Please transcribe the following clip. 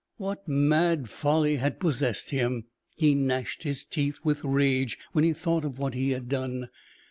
What mad folly had possessed him? He gnashed his teeth with rage when he thought of what he had done.